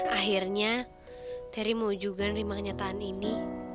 akhirnya terry mau juga nerima kenyataan ini